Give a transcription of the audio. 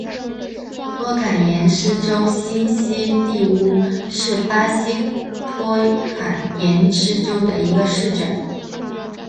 托坎廷斯州新锡蒂乌是巴西托坎廷斯州的一个市镇。